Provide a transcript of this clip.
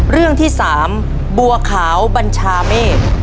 เรื่องที่๓บัวขาวบัญชาเมฆ